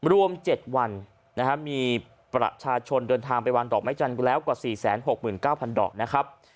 รวม๗วันมีประชาชนเดินทางไปวางดอกไม้จันทร์แล้วกว่า๔๖๙๐๐ดอกนะครับ